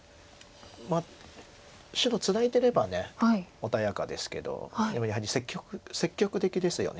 白ツナいでれば穏やかですけどでもやはり積極的ですよね